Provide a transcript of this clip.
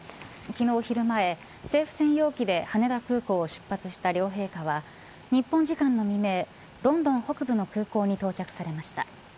昨日昼前政府専用機で羽田空港を出発した両陛下は日本時間の未明ロンドン北部の空港に到着されました。